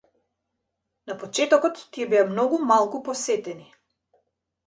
На почетокот тие беа многу малку посетени.